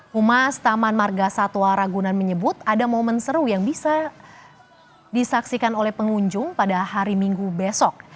humas taman marga satwa ragunan menyebut ada momen seru yang bisa disaksikan oleh pengunjung pada hari minggu besok